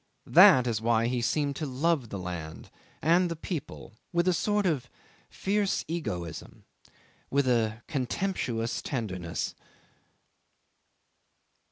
That is why he seemed to love the land and the people with a sort of fierce egoism, with a contemptuous tenderness.